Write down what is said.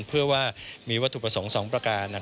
เพื่อว่ามีวัตถุประสงค์๒ประการ